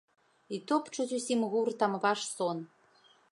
І топчуць усім гуртам ваш сон.